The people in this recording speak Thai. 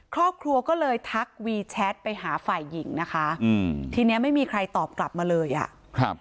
ครอบครัวก็เลยทักวีแชทไปหาฝ่ายหญิงนะคะอืมทีเนี้ยไม่มีใครตอบกลับมาเลยอ่ะครับ